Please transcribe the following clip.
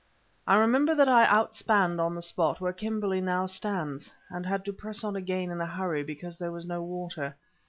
I remember that I outspanned on the spot where Kimberley now stands, and had to press on again in a hurry because there was no water.